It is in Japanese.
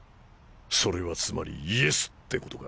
それはつまりイエスってことか？